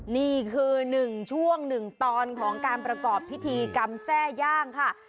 นี่คือ๑ช่วง๑ตอนของการประกอบพิธีกรรมแทร่ย่างค่ะ